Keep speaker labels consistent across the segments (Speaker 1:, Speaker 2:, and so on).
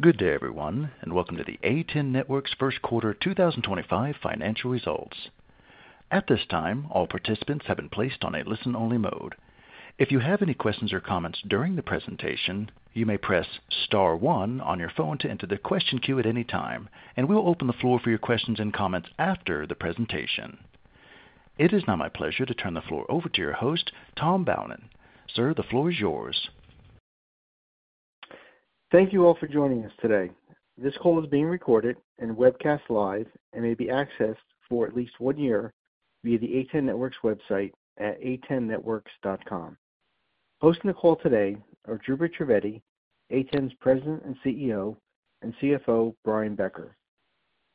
Speaker 1: Good day, everyone, and welcome to the A10 Networks First Quarter 2025 financial results. At this time, all participants have been placed on a listen-only mode. If you have any questions or comments during the presentation, you may press star one on your phone to enter the question queue at any time, and we will open the floor for your questions and comments after the presentation. It is now my pleasure to turn the floor over to your host, Tom Baumann. Sir, the floor is yours.
Speaker 2: Thank you all for joining us today. This call is being recorded and webcast live and may be accessed for at least one year via the A10 Networks website at a10networks.com. Hosting the call today are Dhrupad Trivedi, A10's President and CEO, and CFO, Brian Becker.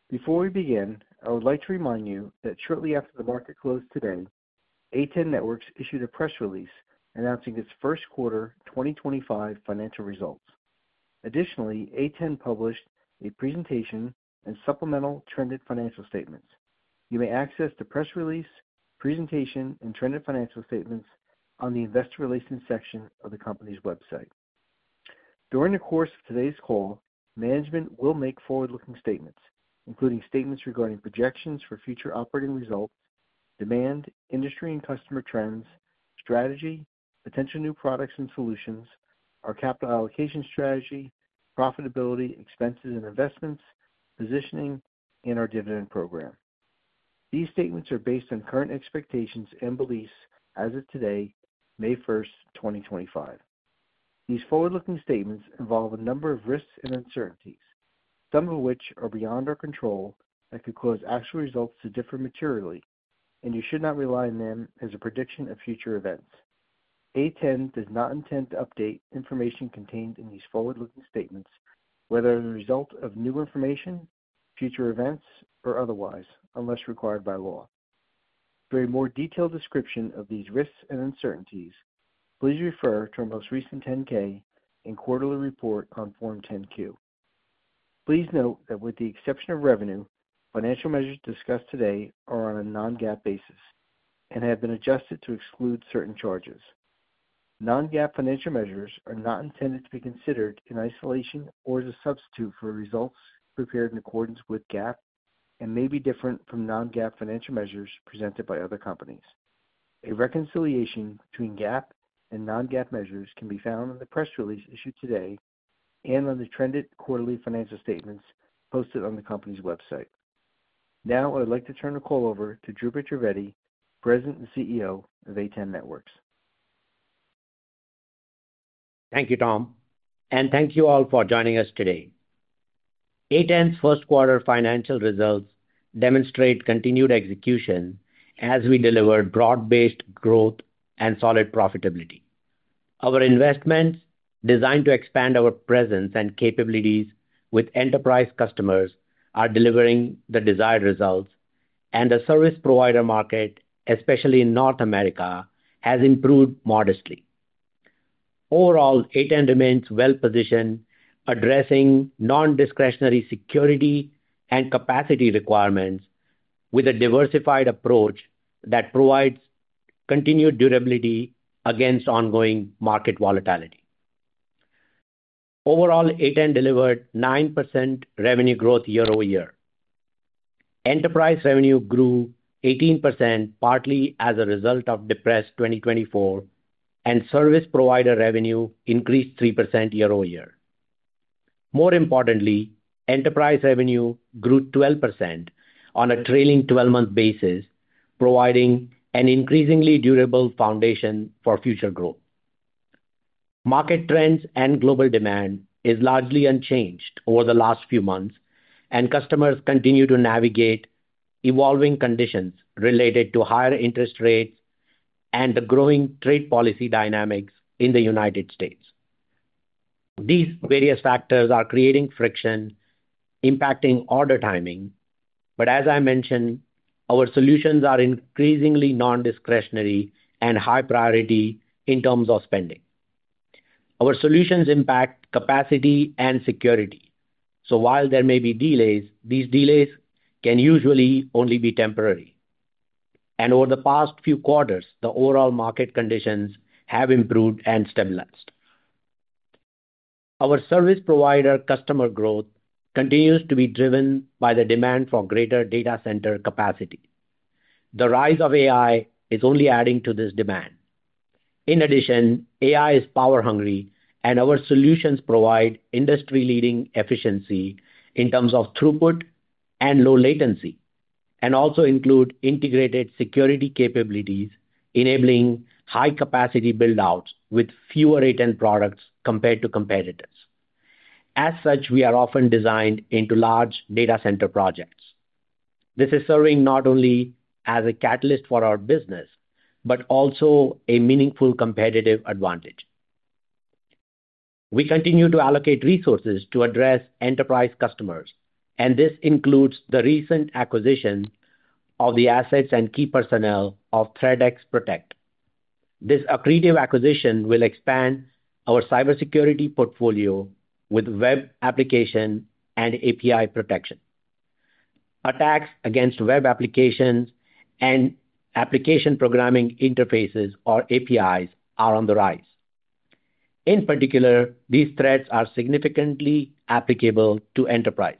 Speaker 2: Before we begin, I would like to remind you that shortly after the market closed today, A10 Networks issued a press release announcing its First Quarter 2025 financial results. Additionally, A10 published a presentation and supplemental trended financial statements. You may access the press release, presentation, and trended financial statements on the investor relations section of the company's website. During the course of today's call, management will make forward-looking statements, including statements regarding projections for future operating results, demand, industry and customer trends, strategy, potential new products and solutions, our capital allocation strategy, profitability, expenses and investments, positioning, and our dividend program. These statements are based on current expectations and beliefs as of today, May 1st, 2025. These forward-looking statements involve a number of risks and uncertainties, some of which are beyond our control that could cause actual results to differ materially, and you should not rely on them as a prediction of future events. A10 does not intend to update information contained in these forward-looking statements, whether as a result of new information, future events, or otherwise, unless required by law. For a more detailed description of these risks and uncertainties, please refer to our most recent Form 10-K and quarterly report on Form 10-Q. Please note that with the exception of revenue, financial measures discussed today are on a non-GAAP basis and have been adjusted to exclude certain charges. Non-GAAP financial measures are not intended to be considered in isolation or as a substitute for results prepared in accordance with GAAP and may be different from non-GAAP financial measures presented by other companies. A reconciliation between GAAP and non-GAAP measures can be found in the press release issued today and on the trended quarterly financial statements posted on the company's website. Now, I would like to turn the call over to Dhrupad Trivedi, President and CEO of A10 Networks.
Speaker 3: Thank you, Tom, and thank you all for joining us today. A10's first quarter financial results demonstrate continued execution as we delivered broad-based growth and solid profitability. Our investments, designed to expand our presence and capabilities with enterprise customers, are delivering the desired results, and the service provider market, especially in North America, has improved modestly. Overall, A10 remains well-positioned, addressing non-discretionary security and capacity requirements with a diversified approach that provides continued durability against ongoing market volatility. Overall, A10 delivered 9% revenue growth year-over-year. Enterprise revenue grew 18%, partly as a result of depressed 2024, and service provider revenue increased 3% year-over-year. More importantly, enterprise revenue grew 12% on a trailing 12-month basis, providing an increasingly durable foundation for future growth. Market trends and global demand are largely unchanged over the last few months, and customers continue to navigate evolving conditions related to higher interest rates and the growing trade policy dynamics in the U.S. These various factors are creating friction, impacting order timing, but as I mentioned, our solutions are increasingly non-discretionary and high priority in terms of spending. Our solutions impact capacity and security, so while there may be delays, these delays can usually only be temporary. Over the past few quarters, the overall market conditions have improved and stabilized. Our service provider customer growth continues to be driven by the demand for greater data center capacity. The rise of AI is only adding to this demand. In addition, AI is power-hungry, and our solutions provide industry-leading efficiency in terms of throughput and low latency, and also include integrated security capabilities, enabling high-capacity buildouts with fewer A10 products compared to competitors. As such, we are often designed into large data center projects. This is serving not only as a catalyst for our business but also a meaningful competitive advantage. We continue to allocate resources to address enterprise customers, and this includes the recent acquisition of the assets and key personnel of ThreatX Protect. This accretive acquisition will expand our cybersecurity portfolio with web application and API protection. Attacks against web applications and application programming interfaces, or APIs, are on the rise. In particular, these threats are significantly applicable to enterprise.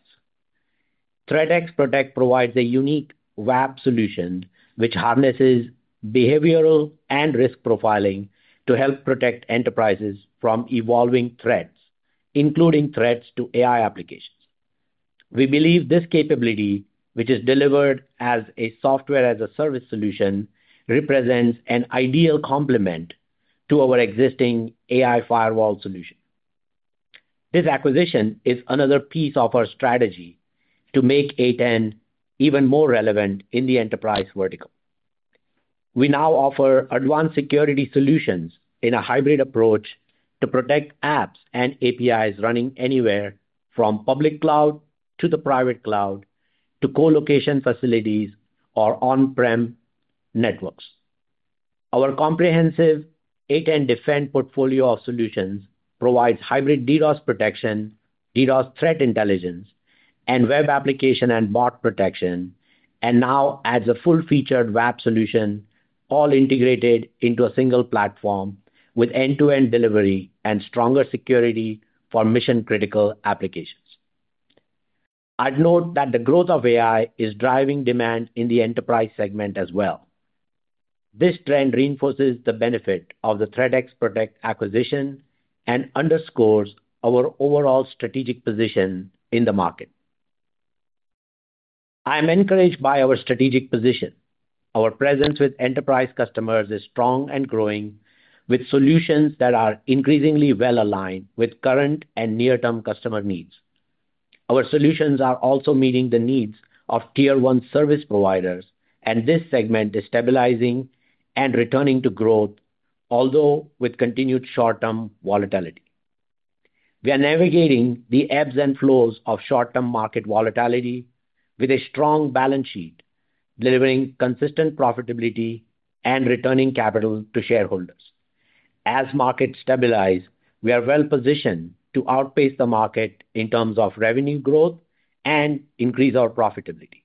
Speaker 3: ThreatX Protect provides a unique web solution which harnesses behavioral and risk profiling to help protect enterprises from evolving threats, including threats to AI applications. We believe this capability, which is delivered as a software-as-a-service solution, represents an ideal complement to our existing AI firewall solution. This acquisition is another piece of our strategy to make A10 even more relevant in the enterprise vertical. We now offer advanced security solutions in a hybrid approach to protect apps and APIs running anywhere from public cloud to the private cloud to co-location facilities or on-prem networks. Our comprehensive A10 Defend portfolio of solutions provides hybrid DDoS protection, DDoS threat intelligence, and web application and bot protection, and now adds a full-featured web solution, all integrated into a single platform with end-to-end delivery and stronger security for mission-critical applications. I'd note that the growth of AI is driving demand in the enterprise segment as well. This trend reinforces the benefit of the ThreatX Protect acquisition and underscores our overall strategic position in the market. I am encouraged by our strategic position. Our presence with enterprise customers is strong and growing, with solutions that are increasingly well-aligned with current and near-term customer needs. Our solutions are also meeting the needs of tier-one service providers, and this segment is stabilizing and returning to growth, although with continued short-term volatility. We are navigating the ebbs and flows of short-term market volatility with a strong balance sheet, delivering consistent profitability and returning capital to shareholders. As markets stabilize, we are well-positioned to outpace the market in terms of revenue growth and increase our profitability.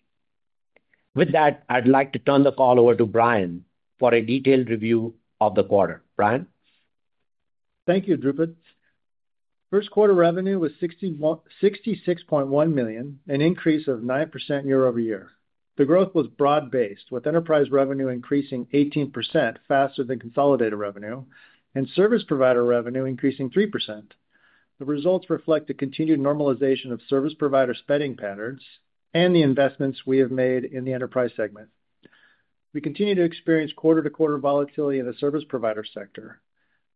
Speaker 3: With that, I'd like to turn the call over to Brian for a detailed review of the quarter. Brian?
Speaker 4: Thank you, Dhrupad. First quarter revenue was $66.1 million, an increase of 9% year-over-year. The growth was broad-based, with enterprise revenue increasing 18%, faster than consolidated revenue, and service provider revenue increasing 3%. The results reflect a continued normalization of service provider spending patterns and the investments we have made in the enterprise segment. We continue to experience quarter-to-quarter volatility in the service provider sector.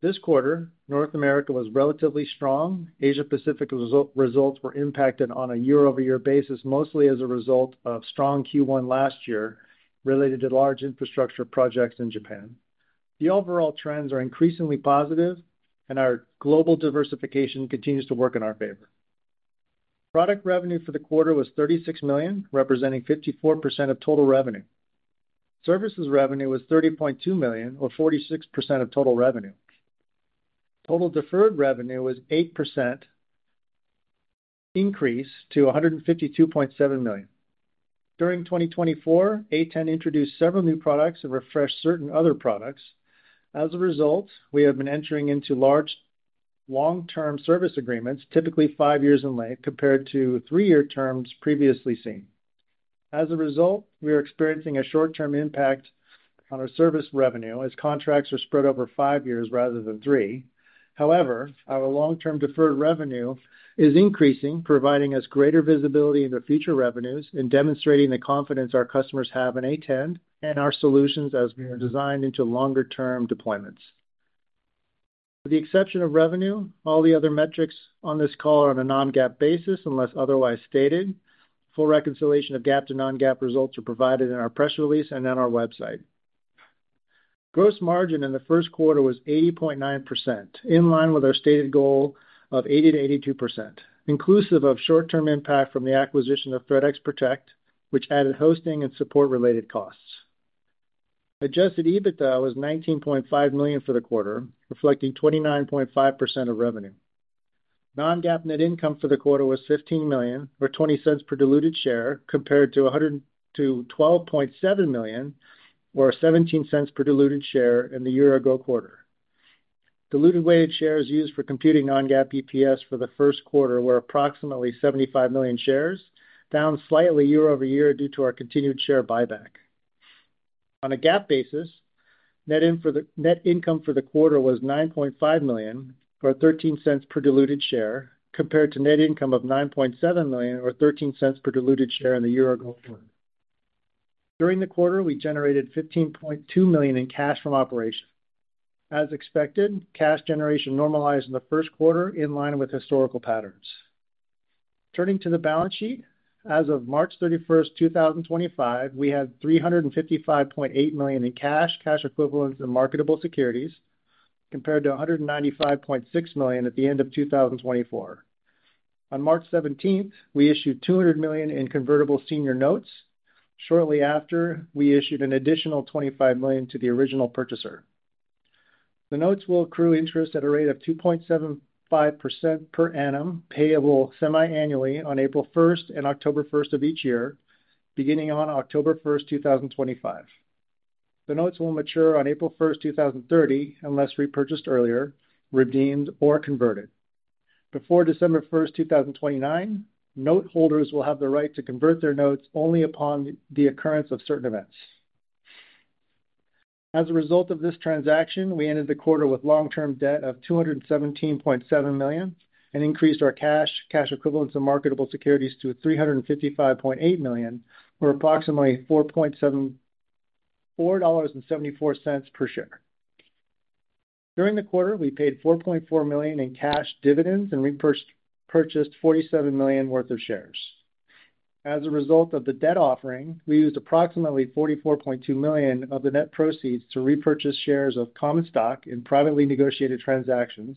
Speaker 4: This quarter, North America was relatively strong. Asia-Pacific results were impacted on a year-over-year basis, mostly as a result of strong Q1 last year related to large infrastructure projects in Japan. The overall trends are increasingly positive, and our global diversification continues to work in our favor. Product revenue for the quarter was $36 million, representing 54% of total revenue. Services revenue was $30.2 million, or 46% of total revenue. Total deferred revenue was 8%, increased to $152.7 million. During 2024, A10 introduced several new products and refreshed certain other products. As a result, we have been entering into large long-term service agreements, typically five years in length, compared to three-year terms previously seen. As a result, we are experiencing a short-term impact on our service revenue as contracts are spread over five years rather than three. However, our long-term deferred revenue is increasing, providing us greater visibility into future revenues and demonstrating the confidence our customers have in A10 and our solutions as we are designed into longer-term deployments. With the exception of revenue, all the other metrics on this call are on a non-GAAP basis unless otherwise stated. Full reconciliation of GAAP to non-GAAP results are provided in our press release and on our website. Gross margin in the first quarter was 80.9%, in line with our stated goal of 80%-82%, inclusive of short-term impact from the acquisition of ThreatX Protect, which added hosting and support-related costs. Adjusted EBITDA was $19.5 million for the quarter, reflecting 29.5% of revenue. Non-GAAP net income for the quarter was $15 million, or $0.20 per diluted share, compared to $12.7 million, or $0.17 per diluted share in the year-ago quarter. Diluted weighted shares used for computing non-GAAP EPS for the first quarter were approximately 75 million shares, down slightly year-over-year due to our continued share buyback. On a GAAP basis, net income for the quarter was $9.5 million, or $0.13 per diluted share, compared to net income of $9.7 million, or $0.13 per diluted share in the year-ago quarter. During the quarter, we generated $15.2 million in cash from operations. As expected, cash generation normalized in the first quarter in line with historical patterns. Turning to the balance sheet, as of March 31st, 2025, we had $355.8 million in cash, cash equivalents, and marketable securities, compared to $195.6 million at the end of 2024. On March 17th, we issued $200 million in convertible senior notes. Shortly after, we issued an additional $25 million to the original purchaser. The notes will accrue interest at a rate of 2.75% per annum, payable semi-annually on April 1st and October 1st of each year, beginning on October 1st, 2025. The notes will mature on April 1st, 2030, unless repurchased earlier, redeemed, or converted. Before December 1st, 2029, noteholders will have the right to convert their notes only upon the occurrence of certain events. As a result of this transaction, we ended the quarter with long-term debt of $217.7 million and increased our cash, cash equivalents, and marketable securities to $355.8 million, or approximately $4.74 per share. During the quarter, we paid $4.4 million in cash dividends and repurchased $47 million worth of shares. As a result of the debt offering, we used approximately $44.2 million of the net proceeds to repurchase shares of common stock in privately negotiated transactions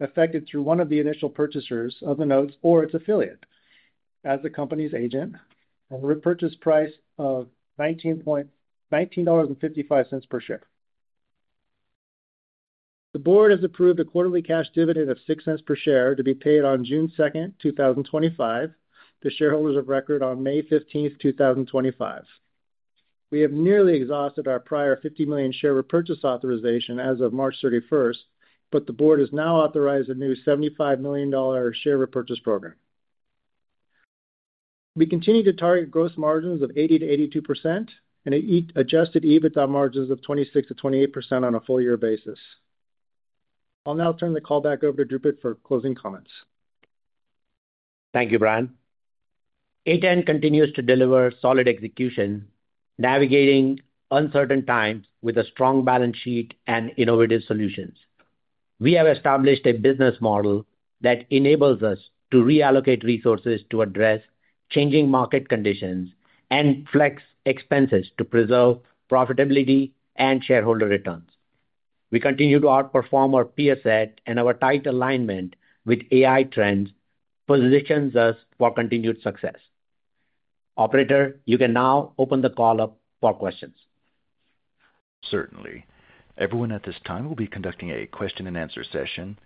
Speaker 4: effected through one of the initial purchasers of the notes or its affiliate. As the company's agent, the repurchase price was $19.55 per share. The board has approved a quarterly cash dividend of $0.06 per share to be paid on June 2nd, 2025, to shareholders of record on May 15th, 2025. We have nearly exhausted our prior $50 million share repurchase authorization as of March 31st, but the board has now authorized a new $75 million share repurchase program. We continue to target gross margins of 80%-82% and adjusted EBITDA margins of 26%-28% on a full-year basis. I'll now turn the call back over to Dhrupad for closing comments.
Speaker 3: Thank you, Brian. A10 continues to deliver solid execution, navigating uncertain times with a strong balance sheet and innovative solutions. We have established a business model that enables us to reallocate resources to address changing market conditions and flex expenses to preserve profitability and shareholder returns. We continue to outperform our peer set, and our tight alignment with AI trends positions us for continued success. Operator, you can now open the call up for questions.
Speaker 1: Certainly. Everyone at this time will be conducting a question-and-answer session.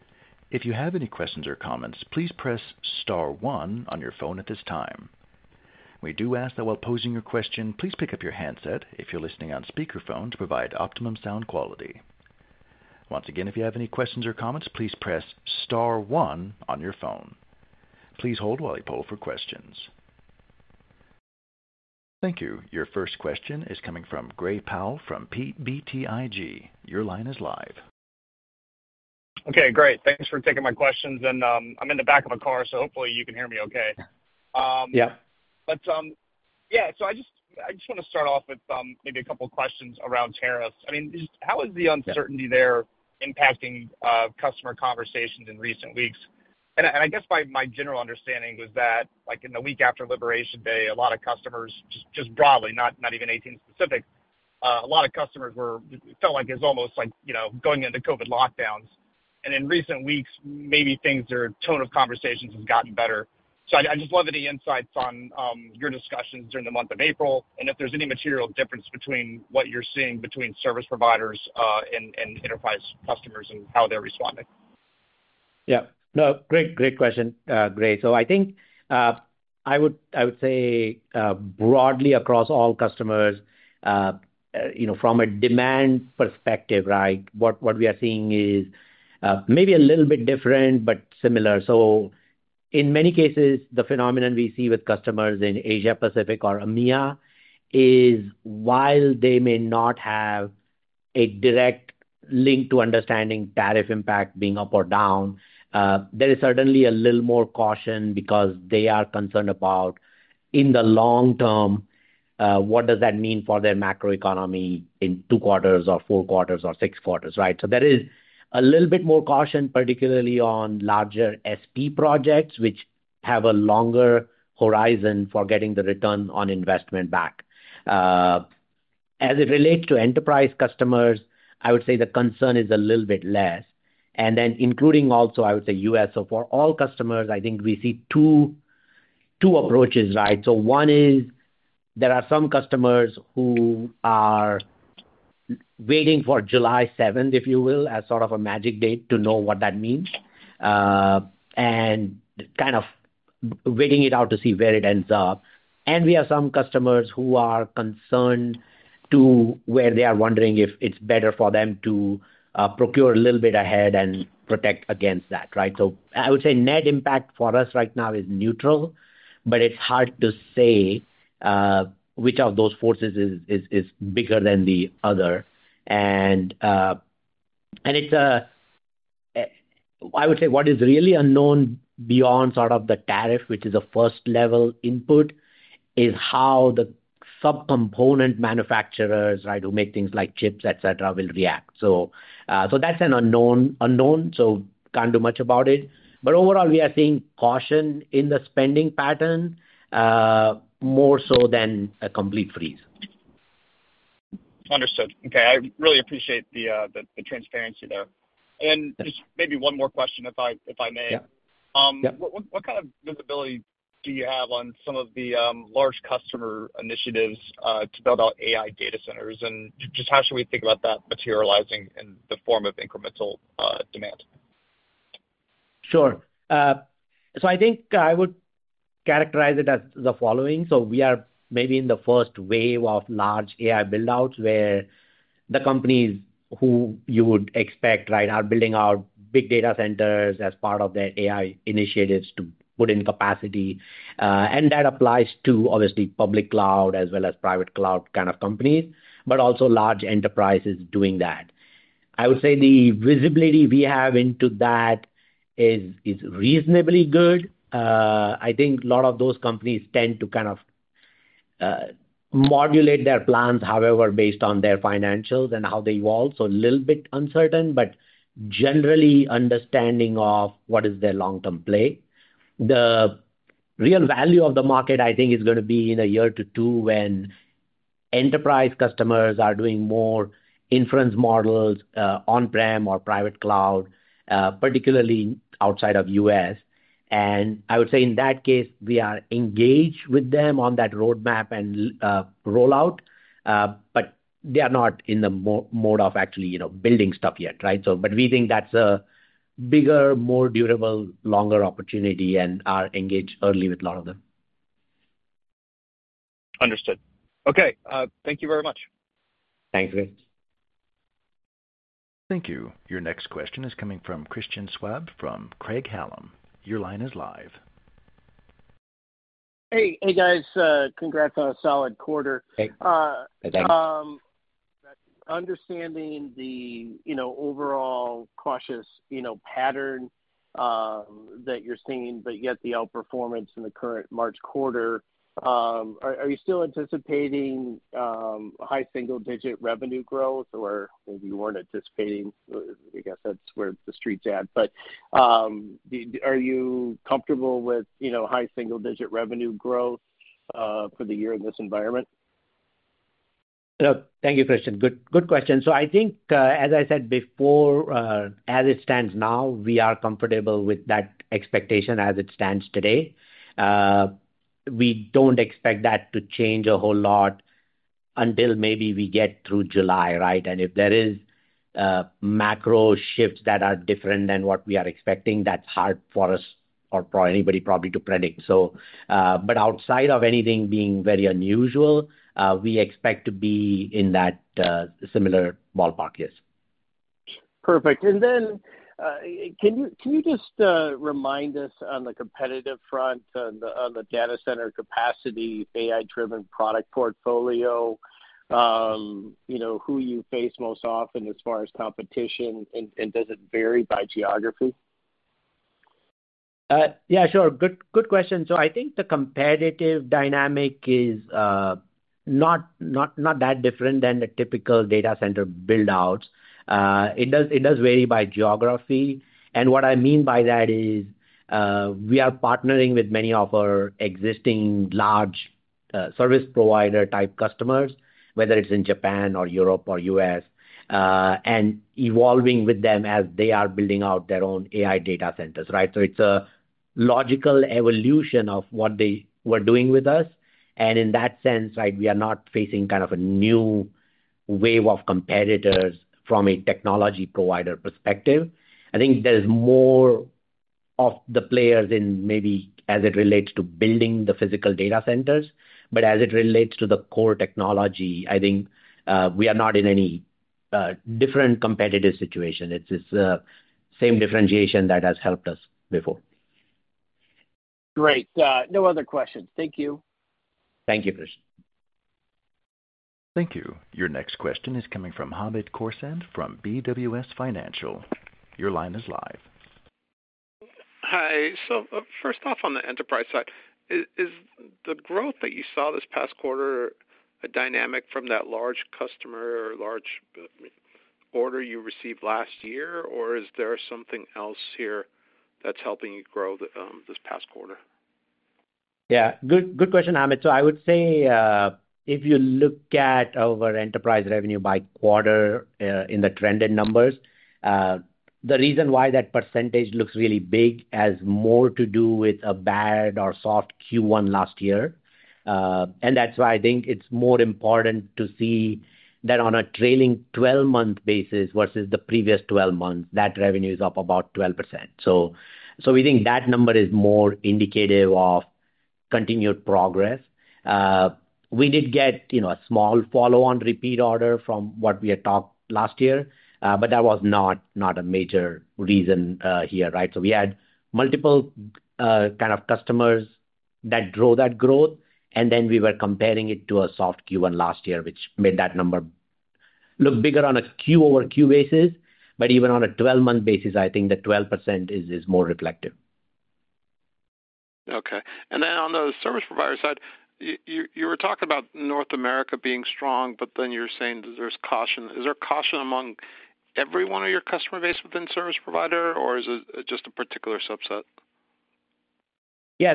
Speaker 1: If you have any questions or comments, please press star one on your phone at this time. We do ask that while posing your question, please pick up your handset if you're listening on speakerphone to provide optimum sound quality. Once again, if you have any questions or comments, please press star one on your phone. Please hold while we poll for questions. Thank you. Your first question is coming from Gray Powell from BTIG. Your line is live.
Speaker 5: Okay, great. Thanks for taking my questions. I'm in the back of a car, so hopefully you can hear me okay.
Speaker 3: Yeah.
Speaker 5: Yeah, I just want to start off with maybe a couple of questions around tariffs. I mean, how is the uncertainty there impacting customer conversations in recent weeks? I guess my general understanding was that in the week after Liberation Day, a lot of customers, just broadly, not even A10 specific, a lot of customers felt like it was almost like going into COVID lockdowns. In recent weeks, maybe things or tone of conversations has gotten better. I just love any insights on your discussions during the month of April, and if there's any material difference between what you're seeing between service providers and enterprise customers and how they're responding.
Speaker 3: Yeah. No, great question, Gray. I think I would say broadly across all customers, from a demand perspective, right, what we are seeing is maybe a little bit different but similar. In many cases, the phenomenon we see with customers in Asia-Pacific or EMEA is while they may not have a direct link to understanding tariff impact being up or down, there is certainly a little more caution because they are concerned about in the long term, what does that mean for their macroeconomy in two quarters or four quarters or six quarters, right? There is a little bit more caution, particularly on larger SP projects, which have a longer horizon for getting the return on investment back. As it relates to enterprise customers, I would say the concern is a little bit less. Including also, I would say U.S., so for all customers, I think we see two approaches, right? One is there are some customers who are waiting for July 7th, if you will, as sort of a magic date to know what that means and kind of waiting it out to see where it ends up. We have some customers who are concerned to where they are wondering if it is better for them to procure a little bit ahead and protect against that, right? I would say net impact for us right now is neutral, but it is hard to say which of those forces is bigger than the other. I would say what is really unknown beyond sort of the tariff, which is a first-level input, is how the subcomponent manufacturers, right, who make things like chips, etc., will react. That's an unknown, so can't do much about it. Overall, we are seeing caution in the spending pattern more so than a complete freeze.
Speaker 5: Understood. Okay. I really appreciate the transparency there. Just maybe one more question, if I may.
Speaker 3: Yeah.
Speaker 5: What kind of visibility do you have on some of the large customer initiatives to build out AI data centers? Just how should we think about that materializing in the form of incremental demand?
Speaker 3: Sure. I think I would characterize it as the following. We are maybe in the first wave of large AI buildouts where the companies who you would expect, right, are building out big data centers as part of their AI initiatives to put in capacity. That applies to, obviously, public cloud as well as private cloud kind of companies, but also large enterprises doing that. I would say the visibility we have into that is reasonably good. I think a lot of those companies tend to kind of modulate their plans, however, based on their financials and how they evolve. A little bit uncertain, but generally understanding of what is their long-term play. The real value of the market, I think, is going to be in a year to two when enterprise customers are doing more inference models on-prem or private cloud, particularly outside of the U.S. I would say in that case, we are engaged with them on that roadmap and rollout, but they are not in the mode of actually building stuff yet, right? We think that's a bigger, more durable, longer opportunity and are engaged early with a lot of them.
Speaker 5: Understood. Okay. Thank you very much.
Speaker 3: Thanks, Gray.
Speaker 1: Thank you. Your next question is coming from Christian Schwab from Craig-Hallum. Your line is live.
Speaker 6: Hey, guys. Congrats on a solid quarter.
Speaker 3: Hey. Thanks.
Speaker 6: Understanding the overall cautious pattern that you're seeing, yet the outperformance in the current March quarter, are you still anticipating high single-digit revenue growth or maybe you weren't anticipating? I guess that's where the street's at. Are you comfortable with high single-digit revenue growth for the year in this environment?
Speaker 3: Thank you, Christian. Good question. I think, as I said before, as it stands now, we are comfortable with that expectation as it stands today. We do not expect that to change a whole lot until maybe we get through July, right? If there are macro shifts that are different than what we are expecting, that is hard for us or for anybody probably to predict. Outside of anything being very unusual, we expect to be in that similar ballpark, yes.
Speaker 6: Perfect. Can you just remind us on the competitive front, on the data center capacity, AI-driven product portfolio, who you face most often as far as competition, and does it vary by geography?
Speaker 3: Yeah, sure. Good question. I think the competitive dynamic is not that different than the typical data center buildouts. It does vary by geography. What I mean by that is we are partnering with many of our existing large service provider-type customers, whether it's in Japan or Europe or U.S., and evolving with them as they are building out their own AI data centers, right? It's a logical evolution of what they were doing with us. In that sense, right, we are not facing kind of a new wave of competitors from a technology provider perspective. I think there's more of the players in maybe as it relates to building the physical data centers. As it relates to the core technology, I think we are not in any different competitive situation. It's the same differentiation that has helped us before.
Speaker 6: Great. No other questions. Thank you.
Speaker 3: Thank you, Christian.
Speaker 1: Thank you. Your next question is coming from Hamed Khorsand from BWS Financial. Your line is live.
Speaker 7: Hi. First off, on the enterprise side, is the growth that you saw this past quarter a dynamic from that large customer or large order you received last year, or is there something else here that's helping you grow this past quarter?
Speaker 3: Yeah. Good question, Hamed. I would say if you look at our enterprise revenue by quarter in the trended numbers, the reason why that percentage looks really big has more to do with a bad or soft Q1 last year. That is why I think it is more important to see that on a trailing 12-month basis versus the previous 12 months, that revenue is up about 12%. We think that number is more indicative of continued progress. We did get a small follow-on repeat order from what we had talked last year, but that was not a major reason here, right? We had multiple kind of customers that drove that growth, and we were comparing it to a soft Q1 last year, which made that number look bigger on a Q-over-Q basis. Even on a 12-month basis, I think the 12% is more reflective.
Speaker 7: Okay. And then on the service provider side, you were talking about North America being strong, but then you're saying that there's caution. Is there caution among everyone of your customer base within service provider, or is it just a particular subset?
Speaker 3: Yeah.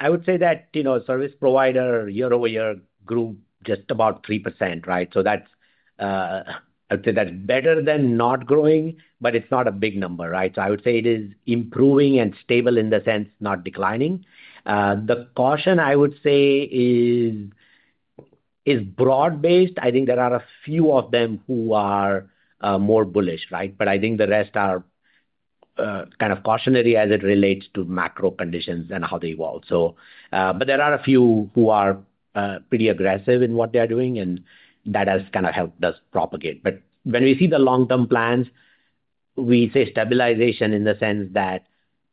Speaker 3: I would say that service provider year-over-year grew just about 3%, right? I would say that's better than not growing, but it's not a big number, right? I would say it is improving and stable in the sense, not declining. The caution, I would say, is broad-based. I think there are a few of them who are more bullish, right? I think the rest are kind of cautionary as it relates to macro conditions and how they evolve. There are a few who are pretty aggressive in what they are doing, and that has kind of helped us propagate. When we see the long-term plans, we say stabilization in the sense that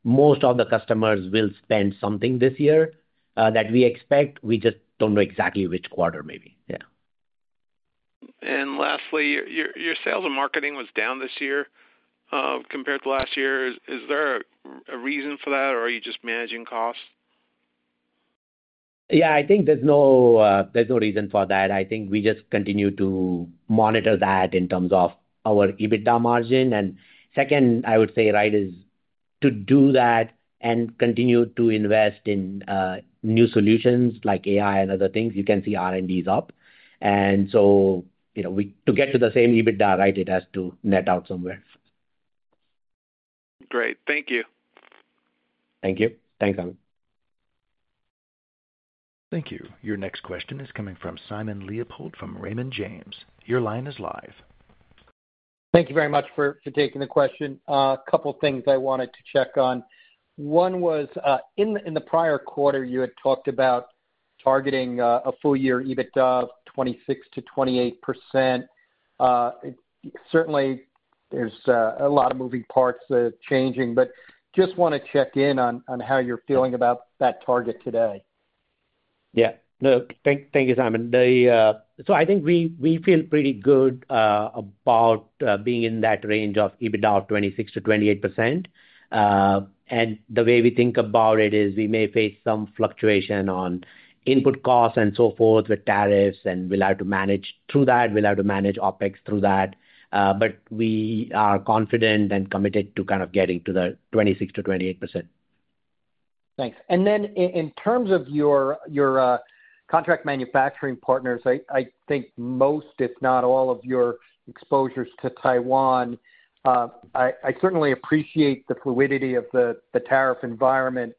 Speaker 3: most of the customers will spend something this year that we expect. We just don't know exactly which quarter maybe. Yeah.
Speaker 7: Lastly, your sales and marketing was down this year compared to last year. Is there a reason for that, or are you just managing costs?
Speaker 3: Yeah, I think there's no reason for that. I think we just continue to monitor that in terms of our EBITDA margin. Second, I would say, right, is to do that and continue to invest in new solutions like AI and other things. You can see R&D is up. To get to the same EBITDA, right, it has to net out somewhere.
Speaker 7: Great. Thank you.
Speaker 3: Thank you. Thanks, Hamed.
Speaker 1: Thank you. Your next question is coming from Simon Leopold from Raymond James. Your line is live.
Speaker 8: Thank you very much for taking the question. A couple of things I wanted to check on. One was in the prior quarter, you had talked about targeting a full-year EBITDA of 26%-28%. Certainly, there's a lot of moving parts changing, but just want to check in on how you're feeling about that target today.
Speaker 3: Yeah. No, thank you, Simon. I think we feel pretty good about being in that range of EBITDA of 26%-28%. The way we think about it is we may face some fluctuation on input costs and so forth with tariffs, and we'll have to manage through that. We'll have to manage OpEx through that. We are confident and committed to kind of getting to the 26-28%.
Speaker 8: Thanks. In terms of your contract manufacturing partners, I think most, if not all, of your exposures to Taiwan, I certainly appreciate the fluidity of the tariff environment.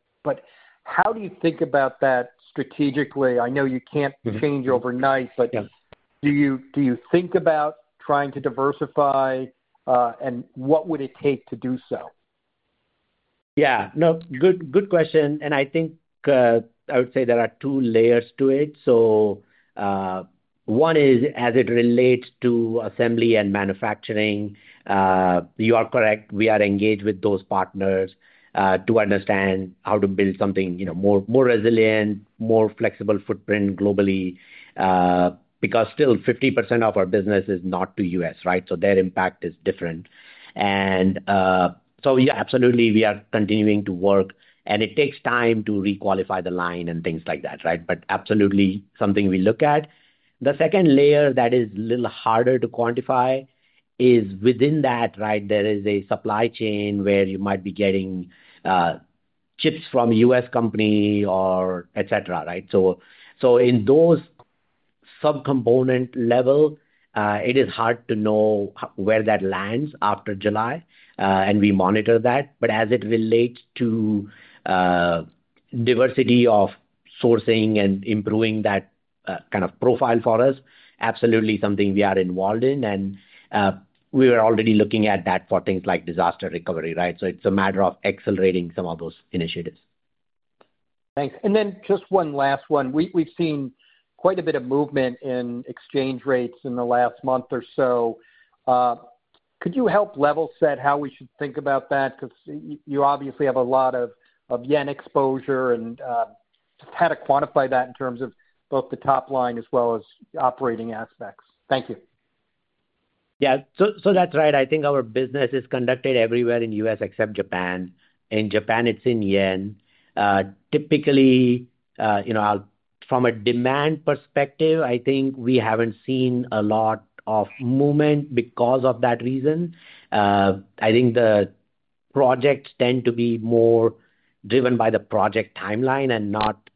Speaker 8: How do you think about that strategically? I know you can't change overnight, but do you think about trying to diversify, and what would it take to do so?
Speaker 3: Yeah. No, good question. I think I would say there are two layers to it. One is as it relates to assembly and manufacturing. You are correct. We are engaged with those partners to understand how to build something more resilient, more flexible footprint globally because still 50% of our business is not to U.S., right? Their impact is different. Yeah, absolutely, we are continuing to work. It takes time to requalify the line and things like that, right? Absolutely something we look at. The second layer that is a little harder to quantify is within that, right? There is a supply chain where you might be getting chips from U.S. company, etc., right? In those subcomponent level, it is hard to know where that lands after July. We monitor that. As it relates to diversity of sourcing and improving that kind of profile for us, absolutely something we are involved in. We were already looking at that for things like disaster recovery, right? It's a matter of accelerating some of those initiatives.
Speaker 8: Thanks. Just one last one. We've seen quite a bit of movement in exchange rates in the last month or so. Could you help level set how we should think about that? Because you obviously have a lot of yen exposure and just how to quantify that in terms of both the top line as well as operating aspects. Thank you.
Speaker 3: Yeah. So that's right. I think our business is conducted everywhere in the U.S. except Japan. In Japan, it's in yen. Typically, from a demand perspective, I think we haven't seen a lot of movement because of that reason. I think the projects tend to be more driven by the project timeline and not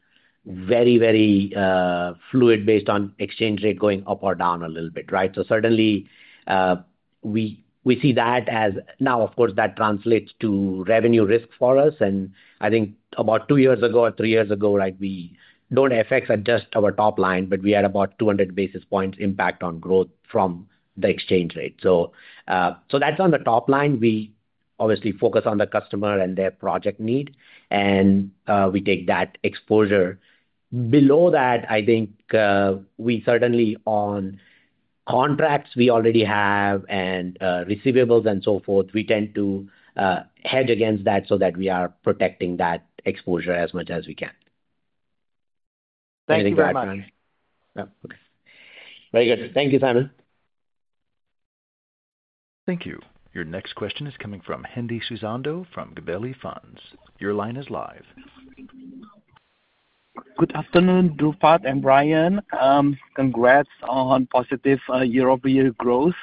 Speaker 3: very, very fluid based on exchange rate going up or down a little bit, right? Certainly, we see that as now, of course, that translates to revenue risk for us. I think about two years ago or three years ago, right, we don't affect just our top line, but we had about 200 basis points impact on growth from the exchange rate. That's on the top line. We obviously focus on the customer and their project need, and we take that exposure. Below that, I think we certainly on contracts we already have and receivables and so forth, we tend to hedge against that so that we are protecting that exposure as much as we can.
Speaker 8: Thanks very much.
Speaker 3: Yeah. Okay. Very good. Thank you, Simon.
Speaker 1: Thank you. Your next question is coming from Hendi Susanto from Gabelli Funds. Your line is live.
Speaker 9: Good afternoon, Dhrupad and Brian. Congrats on positive year-over-year growth.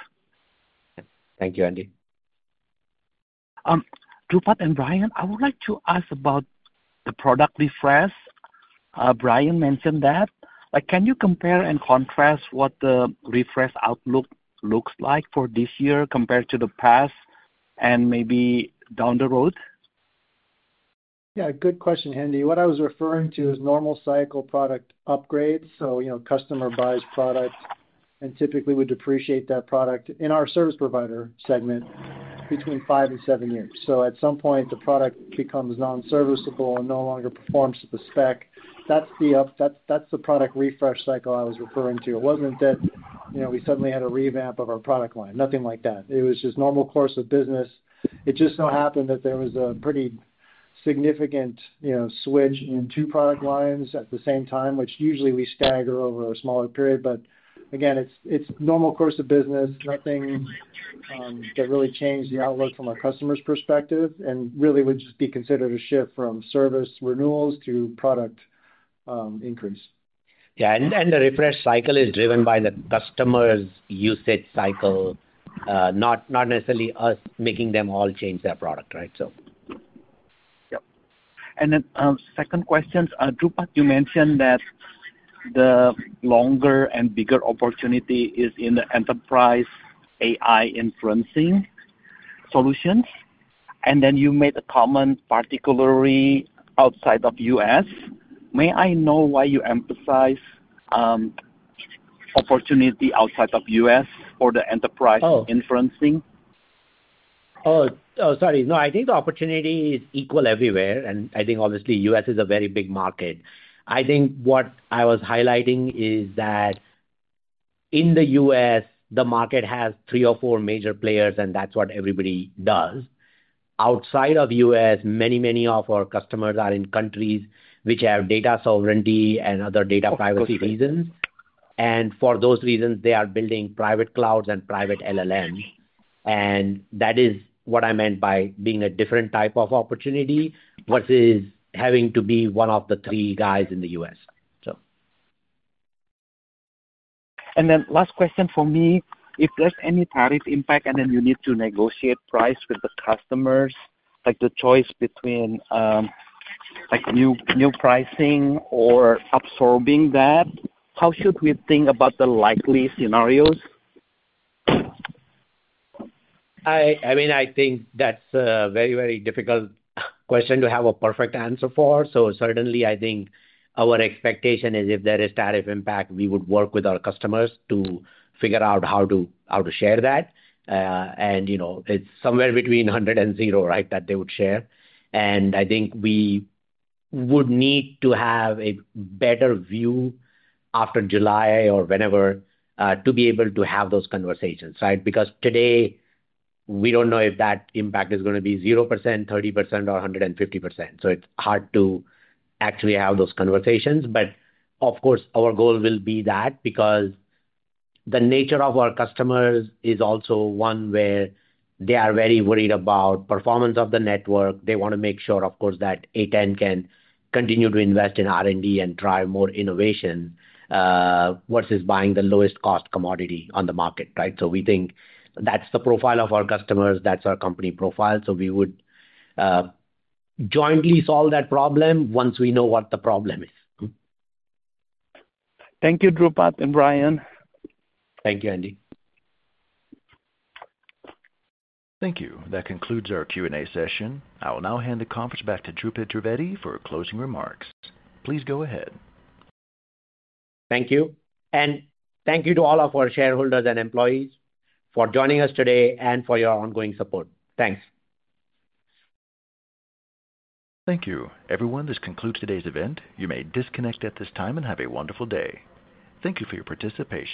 Speaker 3: Thank you, Hendi.
Speaker 9: Dhrupad and Brian, I would like to ask about the product refresh. Brian mentioned that. Can you compare and contrast what the refresh outlook looks like for this year compared to the past and maybe down the road?
Speaker 4: Yeah. Good question, Hendi. What I was referring to is normal cycle product upgrades. So customer buys product and typically would depreciate that product in our service provider segment between five and seven years. At some point, the product becomes non-serviceable and no longer performs to the spec. That's the product refresh cycle I was referring to. It wasn't that we suddenly had a revamp of our product line. Nothing like that. It was just normal course of business. It just so happened that there was a pretty significant switch in two product lines at the same time, which usually we stagger over a smaller period. Again, it's normal course of business. Nothing that really changed the outlook from our customer's perspective and really would just be considered a shift from service renewals to product increase.
Speaker 3: Yeah. The refresh cycle is driven by the customer's usage cycle, not necessarily us making them all change their product, right?
Speaker 9: Yep. And then second question, Dhrupad, you mentioned that the longer and bigger opportunity is in the enterprise AI inferencing solutions. And then you made a comment, particularly outside of the U.S. May I know why you emphasize opportunity outside of the U.S. for the enterprise inferencing?
Speaker 3: Oh, sorry. No, I think the opportunity is equal everywhere. I think obviously the U.S. is a very big market. I think what I was highlighting is that in the U.S., the market has three or four major players, and that's what everybody does. Outside of the U.S., many, many of our customers are in countries which have data sovereignty and other data privacy reasons. For those reasons, they are building private clouds and private LLMs. That is what I meant by being a different type of opportunity versus having to be one of the three guys in the U.S., so.
Speaker 9: Last question for me. If there's any tariff impact and then you need to negotiate price with the customers, like the choice between new pricing or absorbing that, how should we think about the likely scenarios?
Speaker 3: I mean, I think that's a very, very difficult question to have a perfect answer for. Certainly, I think our expectation is if there is tariff impact, we would work with our customers to figure out how to share that. It is somewhere between 100 and 0, right, that they would share? I think we would need to have a better view after July or whenever to be able to have those conversations, right? Because today, we do not know if that impact is going to be 0%, 30%, or 150%. It is hard to actually have those conversations. Of course, our goal will be that because the nature of our customers is also one where they are very worried about performance of the network. They want to make sure, of course, that A10 can continue to invest in R&D and drive more innovation versus buying the lowest-cost commodity on the market, right? We think that's the profile of our customers. That's our company profile. We would jointly solve that problem once we know what the problem is.
Speaker 9: Thank you, Dhrupad and Brian.
Speaker 3: Thank you, Hendi.
Speaker 1: Thank you. That concludes our Q&A session. I will now hand the conference back to Dhrupad Trivedi for closing remarks. Please go ahead.
Speaker 3: Thank you. Thank you to all of our shareholders and employees for joining us today and for your ongoing support. Thanks.
Speaker 1: Thank you. Everyone, this concludes today's event. You may disconnect at this time and have a wonderful day. Thank you for your participation.